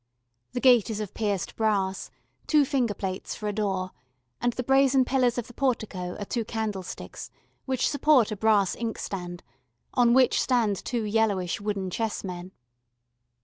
The gate is of pierced brass two finger plates for a door, and the brazen pillars of the portico are two candlesticks, which support a brass inkstand, on which stand two yellowish wooden chessmen.